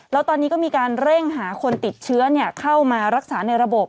แล้วตอนนี้ก็มีการเร่งหาคนติดเชื้อเข้ามารักษาในระบบ